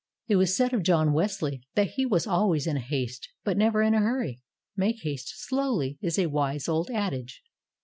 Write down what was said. It was said of John Wesley that he was always in haste, but never in a hurry. "Make haste slowly," is a wise old adage.